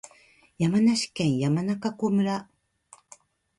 山梨県山中湖村